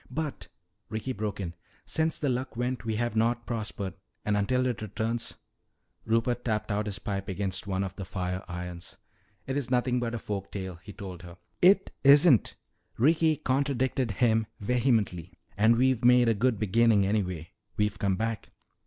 "But," Ricky broke in, "since the Luck went we have not prospered. And until it returns " Rupert tapped out his pipe against one of the fire irons. "It's nothing but a folk tale," he told her. "It isn't!" Ricky contradicted him vehemently. "And we've made a good beginning anyway. We've come back."